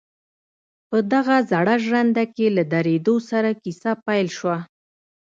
په دغه زړه ژرنده کې له درېدو سره کيسه پيل شوه.